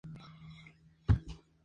Ella presidía sobre los sacrificios.